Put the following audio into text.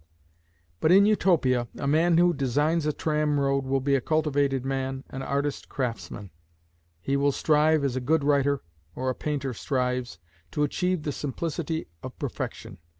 But in Utopia a man who designs a tram road will be a cultivated man, an artist craftsman; he will strive, as a good writer, or a painter strives, to achieve the simplicity of perfection.